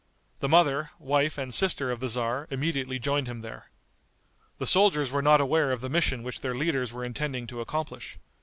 The mother, wife and sister of the tzar, immediately joined him there. The soldiers were not aware of the mission which their leaders were intending to accomplish.